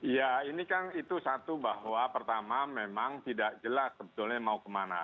ya ini kan itu satu bahwa pertama memang tidak jelas sebetulnya mau kemana